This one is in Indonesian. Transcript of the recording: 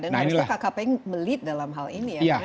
dan harusnya kkp yang melit dalam hal ini ya